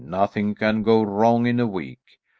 Nothing can go wrong in a week.